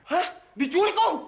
hah diculik om